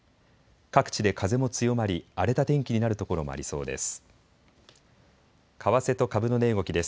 各地で風も強まり荒れた天気になる所もありそうです。